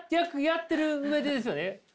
やる上でですよね？